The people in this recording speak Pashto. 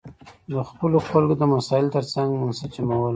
د خپلو خلکو د مسایلو ترڅنګ منسجمول.